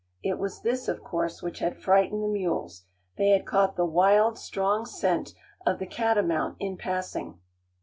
It was this of course which had frightened the mules; they had caught the wild, strong scent of the catamount in passing.